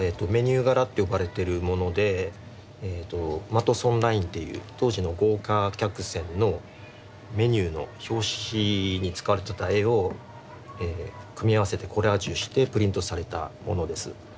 マトソンラインという当時の豪華客船のメニューの表紙に使われてた絵を組み合わせてコラージュしてプリントされたものです。